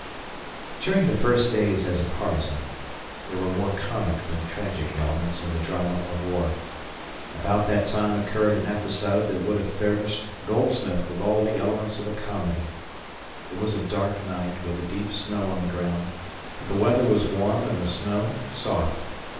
During the first days as a partisan, there were more comic than tragic elements in the drama of war. About that time occurred an episode that would have furnished Goldsmith with all the elements of a comedy. It was a dark night with a deep snow on the ground, but the weather was warm and the snow soft.